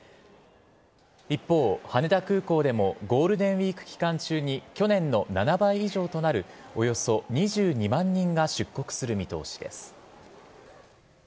一方、羽田空港でもゴールデンウィーク期間中に去年の７倍以上となるおよそ２２万人が出国する見通しです。